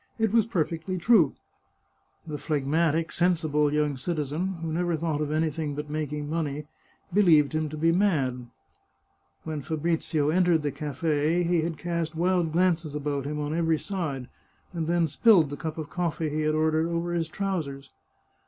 It was perfectly true. The phlegmatic, sensible young citizen, who never 79 The Chartreuse of Parma thought of anything but making money, believed him to be mad. When Fabrizio entered the cafe, he had cast wild glances about him on every side, and then spilled the cup of coflFee he had ordered over his trousers.